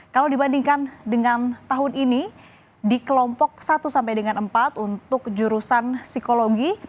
kalau dibandingkan dengan tahun ini di kelompok satu sampai dengan empat untuk jurusan psikologi